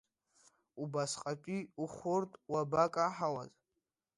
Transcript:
Убасҟатәи ухәыртә, уабакаҳауаз?